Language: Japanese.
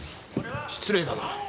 失礼だな。